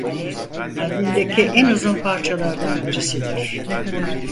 Albümdeki en uzun parçalardan birisidir.